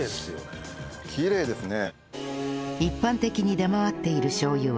うんきれいですね。